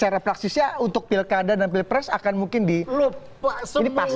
refleksinya untuk pilkada dan pilpres akan mungkin di lupa sebuah kita kan